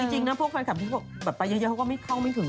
จริงนะพวกแฟนคลับที่แบบไปเยอะเขาก็ไม่เข้าไม่ถึง